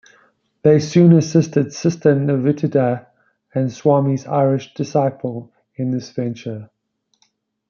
They soon assisted Sister Nivedita, the Swami's Irish disciple, in this venture.